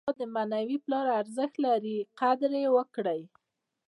استاد د معنوي پلار ارزښت لري. قدر ئې وکړئ!